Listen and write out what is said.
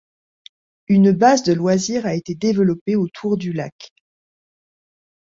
Une base de loisirs a été développée autour du lac.